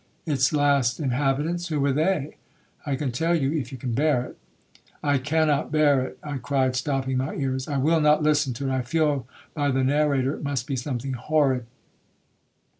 '—'Its last inhabitants!—who were they?'—'I can tell you, if you can bear it.'—'I cannot bear it,' I cried, stopping my ears, 'I will not listen to it. I feel by the narrator it must be something horrid.'